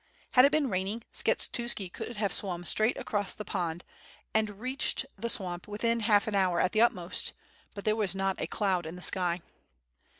Had it been raining Skshe tuski could have swam straight across the pond and reached 7^6 WITH FIRE AND SWORD, the 8wamp within half an hour at the utmost, but there was not a cloud in the sky.